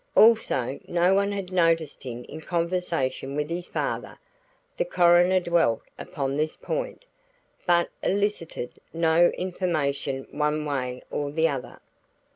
Also, no one had noticed him in conversation with his father. The coroner dwelt upon this point, but elicited no information one way or the other.